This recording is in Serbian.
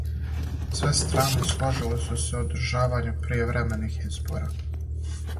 Све стране сложиле су се о одржавању пријевремених избора.